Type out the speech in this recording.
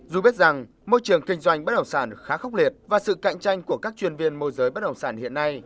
dù biết rằng môi trường kinh doanh bất động sản khá khốc liệt và sự cạnh tranh của các chuyên viên môi giới bất động sản hiện nay